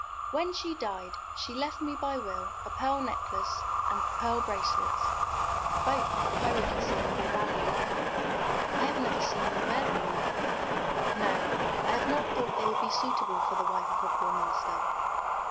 "When she died, she left me by will a pearl necklace and pearl bracelets, both of very considerable value." "I have never seen you wear them, mother." "No; I have not thought they would be suitable for the wife of a poor minister.